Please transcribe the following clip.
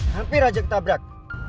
hampir ajak tabrak